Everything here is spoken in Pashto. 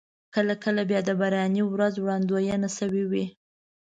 کله کله بیا د باراني ورځ وړاندوينه شوې وي.